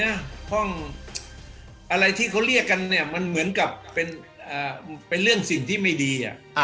ห้องอะไรที่เขาเรียกกันเนี่ยมันเหมือนกับเป็นเรื่องสิ่งที่ไม่ดี